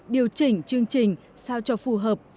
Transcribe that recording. điều chỉnh chương trình sao cho phù hợp